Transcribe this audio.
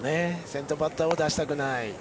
先頭バッターを出したくない。